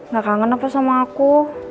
gak kangen apa sama aku